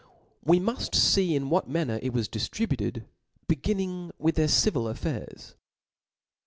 " We'nrfuftTee in what' man ner it wasdiftribuced ; beginning with their civil affairs..